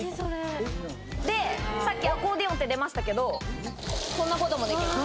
でさっきアコーディオンって出ましたけどこんなこともできます。